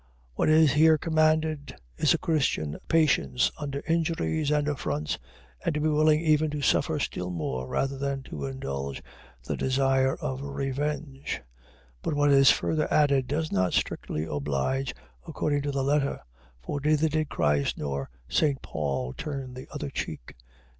.What is here commanded, is a Christian patience under injuries and affronts, and to be willing even to suffer still more, rather than to indulge the desire of revenge: but what is further added does not strictly oblige according to the letter, for neither did Christ nor St. Paul turn the other cheek.